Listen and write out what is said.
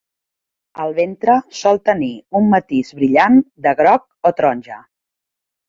El ventre sol tenir un matís brillant de groc o taronja.